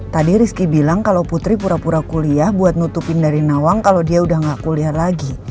tadi rizky bilang kalau putri pura pura kuliah buat nutupin dari nawang kalau dia udah gak kuliah lagi